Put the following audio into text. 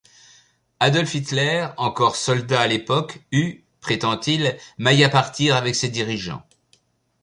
Adolf Hitler, encore soldat à l'époque, eut, prétend-il, maille à partir avec ses dirigeants.